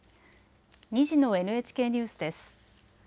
２時のＮＨＫニュースです。